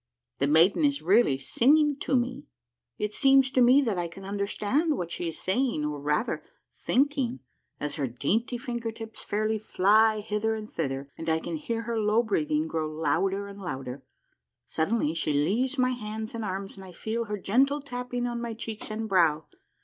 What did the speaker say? The maiden is really singing to me I It seems to me that I can understand what she is saying, or, rather, thinking, as her dainty finger tips fairly fly hither and thither, and I can hear her low breathing grow louder and louder. Suddenly she leaves my hands and arms and I feel her gentle tapping on my cheeks and brow.